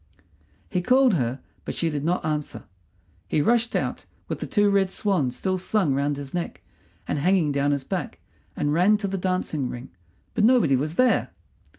He called her, but she did not answer. He rushed out, with the two red swans still slung round his neck and hanging down his back, and ran to the dancing ring, but nobody was there.